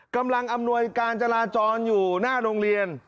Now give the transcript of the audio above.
กำลังอำนวยการจราจรอยู่หน้าโรงเรียน